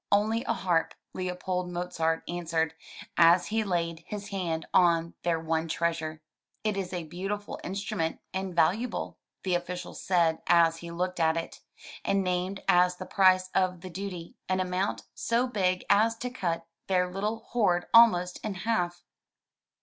"Only a harp," Leopold Mozart answered, as he laid his hand on their one treasure. "It is a beautiful instrument and valuable," the official said as he looked at it, and named as the price of the duty an amount so big as to cut their little hoard almost in half.